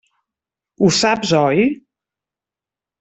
Ho saps, oi?